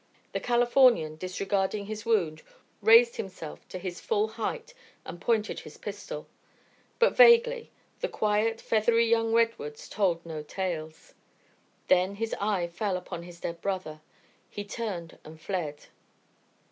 The Californian, disregarding his wound, raised himself to his full height and pointed his pistol. But vaguely: the quiet, feathery young redwoods told no tales. Then his eye fell upon his dead brother. He turned and fled.